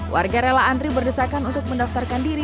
warga rela antri berdesakan untuk mendaftarkan diri